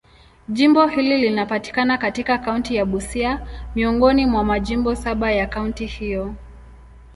Jimbo hili linapatikana katika kaunti ya Busia, miongoni mwa majimbo saba ya kaunti hiyo.